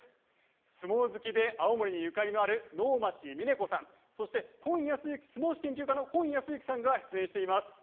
相撲好きで青森にゆかりのある能町みね子さん、そして、相撲史研究家の今靖行さんが出演しています。